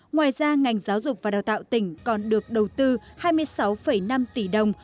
ngoài ra ngành giáo dục và đào tạo tỉnh còn được đầu tư hai mươi sáu năm tỷ đồng